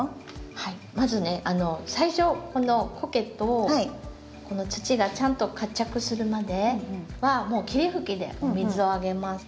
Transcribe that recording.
はいまずね最初このコケと土がちゃんと活着するまではもう霧吹きでお水をあげます。